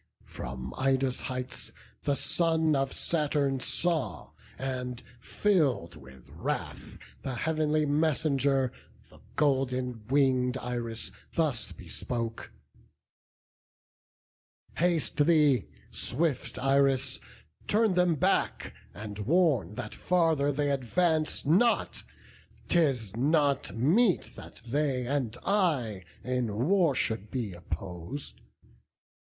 From Ida's heights the son of Saturn saw, And, fill'd with wrath, the heav'nly messenger, The golden winged Iris, thus bespoke: "Haste thee, swift Iris; turn them back, and warn That farther they advance not: 'tis not meet That they and I in war should be oppos'd.